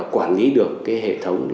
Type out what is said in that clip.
quản lý được cái hệ thống